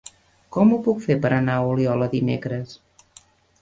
Com ho puc fer per anar a Oliola dimecres?